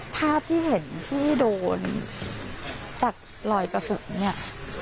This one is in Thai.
ภาพที่เห็นที่โดนจากรอยกระสุนเนี่ย